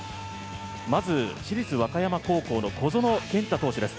まず市立和歌山高校の小園健太投手です。